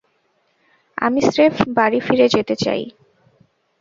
আমি স্রেফ বাড়ি ফিরে যেতে চাই।